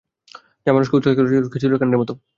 যা মানুষকে উৎখাত করেছিল খেজুরের কাণ্ডের মত।